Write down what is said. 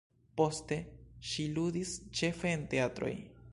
Poste ŝi ludis ĉefe en teatroj.